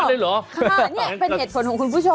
นี่เป็นเหตุผลของคุณผู้ชม